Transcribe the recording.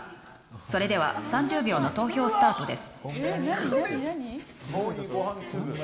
それでは３０秒の投票スタートです。